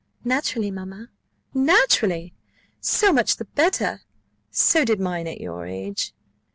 "Naturally, mamma." "Naturally! so much the better: so did mine at your age."